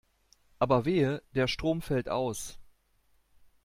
Aber wehe, der Strom fällt aus.